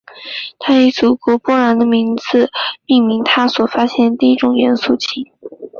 她以祖国波兰的名字命名她所发现的第一种元素钋。